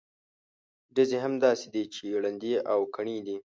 ډزې هم داسې دي چې ړندې او کڼې دي.